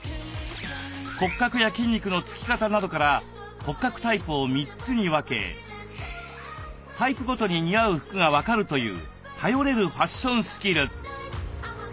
骨格や筋肉の付き方などから骨格タイプを３つに分けタイプごとに似合う服が分かるという頼れるファッションスキル。